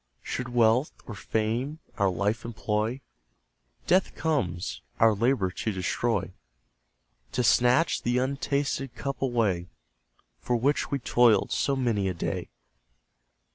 Should Wealth, or Fame, our Life employ, Death comes, our labour to destroy; To snatch the untasted cup away, For which we toiled so many a day.